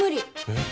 えっ？